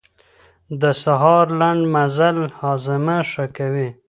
د سهار لنډ مزل هاضمه ښه کوي.